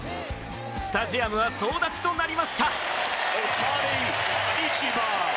スタジアムは総立ちとなりました。